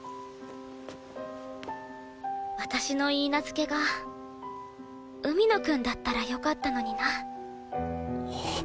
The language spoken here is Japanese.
私の許嫁が海野くんだったらよかったのにな。